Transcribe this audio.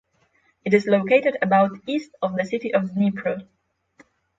It is located about east of the city of Dnipro.